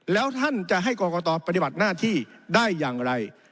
แล้วท่านจะให้กรกตปฏิบัติหน้าที่ได้อย่างไร